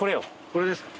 これですか？